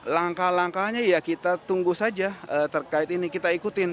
langkah langkahnya ya kita tunggu saja terkait ini kita ikutin